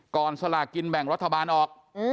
สลากินแบ่งรัฐบาลออก